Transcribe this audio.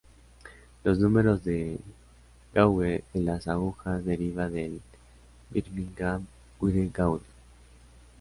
Los números de Gauge de las agujas deriva del Birmingham Wire Gauge.